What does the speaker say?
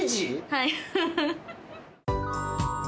はい。